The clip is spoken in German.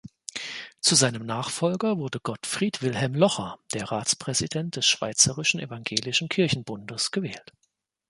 Zu seinem Nachfolger wurde Gottfried Wilhelm Locher, der Ratspräsident des Schweizerischen Evangelischen Kirchenbundes, gewählt.